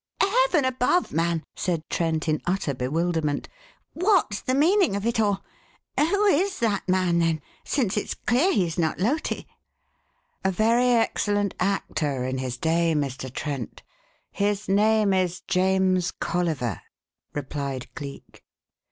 "Heaven above, man," said Trent in utter bewilderment, "what's the meaning of it all? Who is that man, then, since it's clear he's not Loti?" "A very excellent actor in his day, Mr. Trent; his name is James Colliver," replied Cleek.